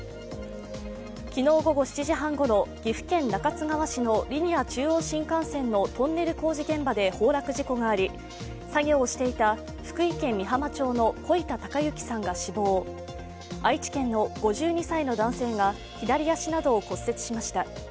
昨日午後７時半ごろ、岐阜県中津川市のリニア中央新幹線のトンネル工事現場で崩落事故があり、作業をしていた福井県美浜町の小板孝幸さんが死亡愛知県の５２歳の男性が左足などを骨折しました。